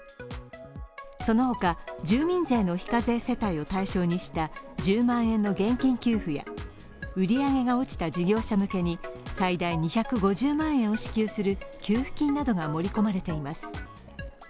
そのほか、住民税の非課税世帯を対象にした１０万円の現金給付や売り上げが落ちた事業者向けに最大２５０万円を支給する給付金などが盛り込まれています。